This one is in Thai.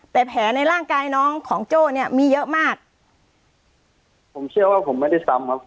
แต่แผลในร่างกายน้องของโจ้เนี่ยมีเยอะมากผมเชื่อว่าผมไม่ได้ซ้ำครับ